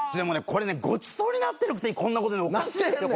これねごちそうになってるくせにこんなこと言うのおかしいですよ